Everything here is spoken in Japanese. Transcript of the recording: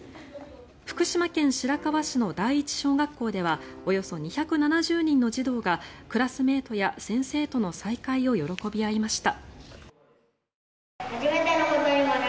福島県白河市の第一小学校ではおよそ２７０人の児童がクラスメートや先生との再会を喜び合いました。